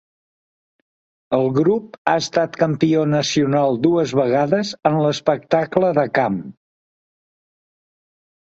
El grup ha estat campió nacional dues vegades en l'espectacle de camp.